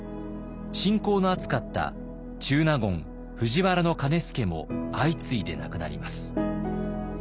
親交の厚かった中納言藤原兼輔も相次いで亡くなります。